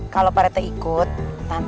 kalau pak rt ikut takut